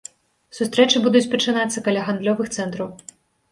Сустрэчы будуць пачынацца каля гандлёвых цэнтраў.